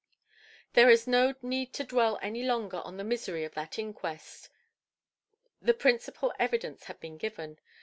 There is no need to dwell any longer on the misery of that inquest. The principal evidence has been given.